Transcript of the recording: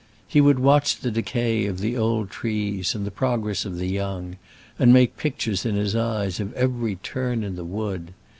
He would watch the decay of the old trees and the progress of the young, and make pictures in his eyes of every turn in the wood.